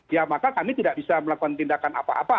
ya maka kami tidak bisa melakukan tindakan apa apa